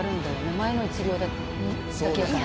前の１両だけやから。